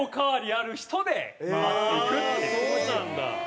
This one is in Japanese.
ああそうなんだ。